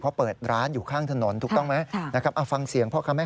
เพราะเปิดร้านอยู่ข้างถนนถูกต้องมั้ยนะครับอ่ะฟังเสียงพ่อค่ะแม่ค้าไหน